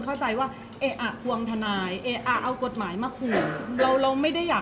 เพราะว่าสิ่งเหล่านี้มันเป็นสิ่งที่ไม่มีพยาน